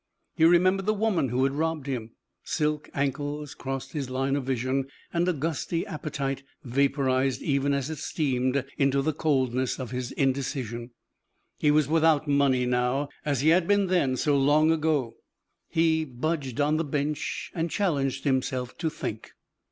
He remembered the woman who had robbed him; silk ankles crossed his line of vision, and a gusty appetite vaporized even as it steamed into the coldness of his indecision. He was without money now, as he had been then, so long ago. He budged on the bench and challenged himself to think.